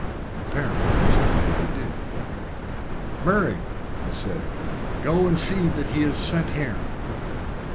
Apparently Mr. Paley did. "Murray," he said, "go and see that he is sent here."